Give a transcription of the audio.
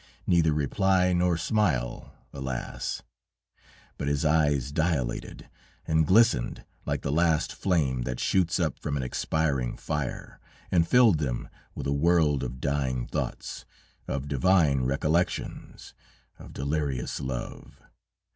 Neither reply nor smile, alas! But his eyes dilated, and glistened like the last flame that shoots up from an expiring fire, and filled them with a world of dying thoughts, of divine recollections, of delirious love.